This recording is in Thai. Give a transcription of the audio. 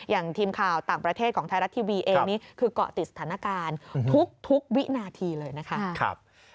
อย่างทีมข่าวต่างประเทศของไทยรัฐทีวีเองนี่คือเกาะติดสถานการณ์ทุกวินาทีเลยนะคะ